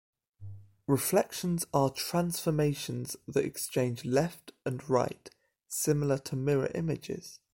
Reflections are transformations that exchange left and right, similar to mirror images.